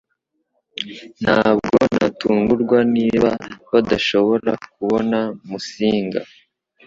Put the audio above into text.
Ntabwo natungurwa niba badashobora kubona Musinga